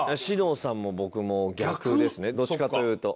どっちかというと。